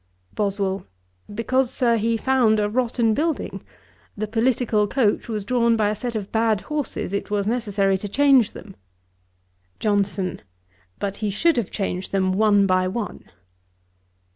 BOSWELL. 'Because, Sir, he found a rotten building. The political coach was drawn by a set of bad horses: it was necessary to change them.' JOHNSON. 'But he should have changed them one by one.'